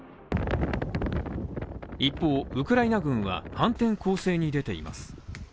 一方、ウクライナ軍は反転攻勢に出ています。